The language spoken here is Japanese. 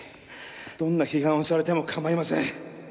どんな批判をされても構いません